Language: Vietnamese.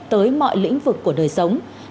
tới mọi lĩnh vực của đồng chí